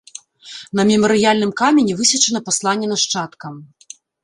На мемарыяльным камені высечана пасланне нашчадкам.